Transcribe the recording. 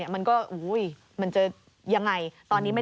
มันก็อุ๊ยมันจะยังไง